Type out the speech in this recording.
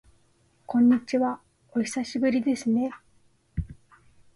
こんにちは、お久しぶりですね。